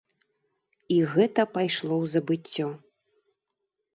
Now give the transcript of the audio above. І гэта пайшло ў забыццё.